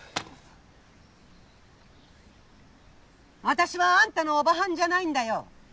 私はあんたのオバハンじゃないんだよ。